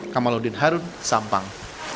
kamaludin harun sampang